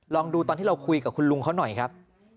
ลองดูตอนที่เราคุยกับคุณลุงเขาหน่อยครับ